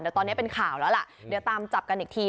เดี๋ยวตอนนี้เป็นข่าวแล้วล่ะเดี๋ยวตามจับกันอีกที